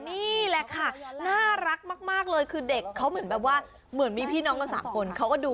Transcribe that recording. จะทำให้พ่อด้วยเจ็ด